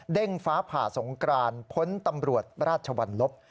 ฟ้าผ่าสงกรานพ้นตำรวจราชวรรลบ